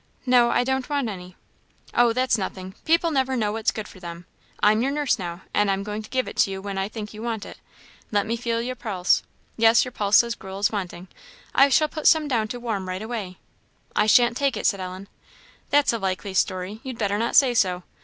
"No, I don't want any." "Oh, that's nothing; people never know what's good for them; I'm your nurse now, and I'm going to give it to you when I think you want it. Let me feel your pulse: yes, your pulse says gruel is wanting. I shall put some down to warm right away." "I shan't take it," said Ellen. "That's a likely story! You'd better not say so.